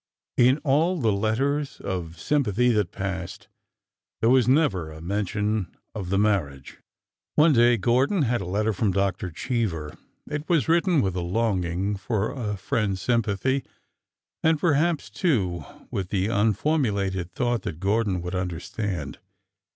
In all the letters of sympathy that passed there was never a men tion of the marriage. One day Gordon had a letter from Dr. Cheever. It was written with a longing for a friend's sympathy, and perhaps, too, with the unformulated thought that Gordon would understand.